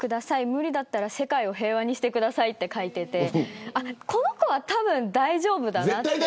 無理だったら世界を平和にしてくださいって書いててこの子はたぶん大丈夫だなって。